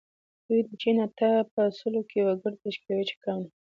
دوی د چین اته په سلو کې وګړي تشکیلوي چې کم دي.